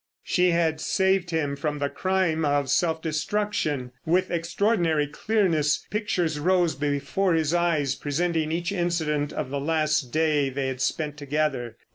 She had saved him from the crime of self destruction. With extraordinary clearness pictures rose before his eyes presenting each incident of the last day they had spent together.